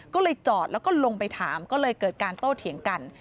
ก็เลยจอดแล้วก็ลงไปถามก็เลยเกิดการโต้เถียงกัน